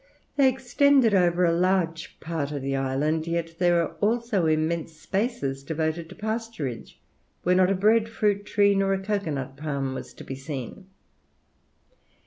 They extended over a large part of the island, yet there were also immense spaces devoted to pasturage, where not a breadfruit tree nor a cocoa nut palm was to be seen.